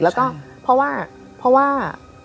แล้วก็เพราะว่า